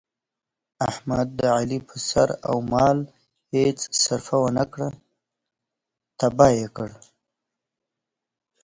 احمد د علي په سر او مال هېڅ سرفه ونه کړه، تیاه یې کړ.